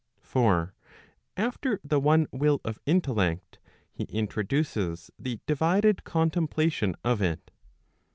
1 For after the one will of intellect, he introduces the divided contemplation of it.